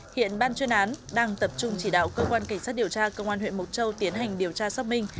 hiện ban chuyên án đang tập trung chỉ đạo cơ quan cảnh sát điều tra công an huyện mộc châu tiến hành điều tra xác minh